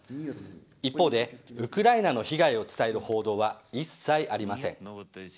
一方で、ウクライナの被害を伝える報道は一切ありません。